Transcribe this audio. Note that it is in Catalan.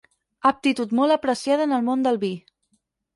Aptitud molt apreciada en el món del vi.